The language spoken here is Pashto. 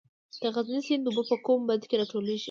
د غزني سیند اوبه په کوم بند کې راټولیږي؟